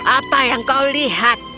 apa yang kau lihat